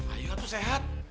ayah tuh sehat